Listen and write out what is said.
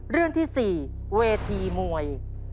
เรื่องที่๔เวทีมวย